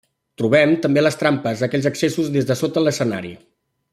Trobem, també les trampes, aquells accessos des de sota l’escenari.